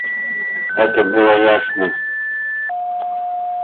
Это было ясно.